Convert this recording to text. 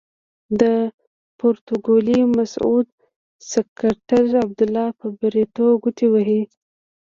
د پروتوکولي مسعود سکرتر عبدالله په بریتو ګوتې وهي.